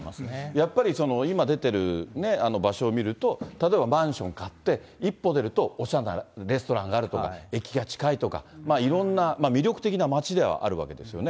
やっぱり、今出てる場所を見ると、例えばマンション買って、一歩出ると、おしゃれなレストランがあるとか、駅が近いとか、いろんな魅力的な街ではあるわけですよね。